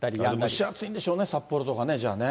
蒸し暑いんでしょうね、札幌とかね、じゃあね。